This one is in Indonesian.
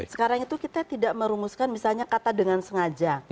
sekarang itu kita tidak merumuskan misalnya kata dengan sengaja